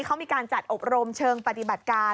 เขามีการจัดอบรมเชิงปฏิบัติการ